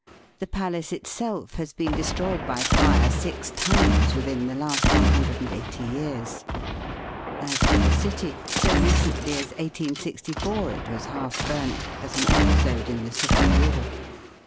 The palace itseK has been destroyed by fire six times within the last one hundred and eighty years. As for the city, so recently as 1864 it was half burnt, as an episode in the Civil War.